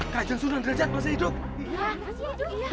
kajian sudah dihajat masih hidup